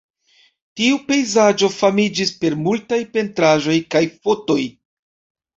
Tiu pejzaĝo famiĝis per multaj pentraĵoj kaj fotoj.